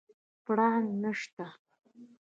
پړانګ نشته